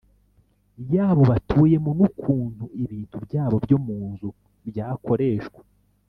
yabo batuyemo, n’ukuntu ibintu byabo byo munzu byakoreshwa.